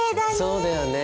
そうだよね。